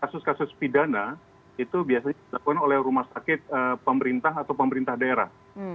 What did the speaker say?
kasus kasus pidana itu biasanya dilakukan oleh rumah sakit pemerintah atau pemerintah daerah